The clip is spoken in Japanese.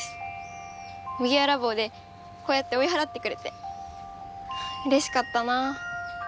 麦わら帽でこうやって追い払ってくれてうれしかったなぁ。